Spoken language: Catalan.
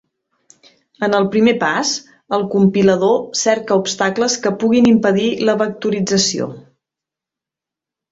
En el primer pas, el compilador cerca obstacles que puguin impedir la vectorització.